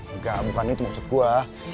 enggak bukan itu maksud gue